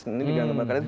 ini tidak demokratis